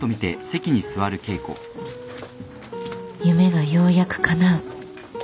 夢がようやくかなう